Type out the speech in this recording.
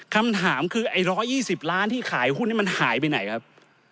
คำถามคือไอ้๑๒๐ล้านที่ขายหุ้นมันหายไปไหนครับ